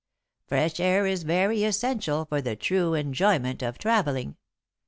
Fresh air is very essential for the true enjoyment of travelling.